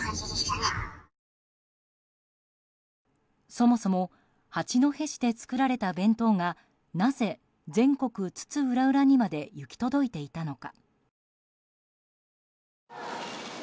そもそも八戸市で作られた弁当がなぜ全国津々浦々にまで行き届いていたのか。